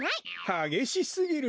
はげしすぎる。